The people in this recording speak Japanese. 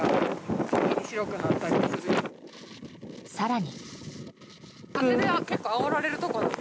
更に。